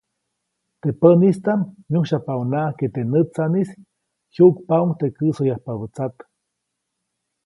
Teʼ pänistaʼm myujsyajpaʼuŋnaʼajk ke teʼ nätsaʼnis jyuʼkpaʼuŋ teʼ käʼsoyajpabä tsat.